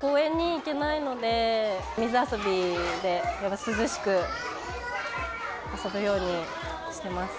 公園に行けないので、水遊びで涼しく遊ぶようにしています。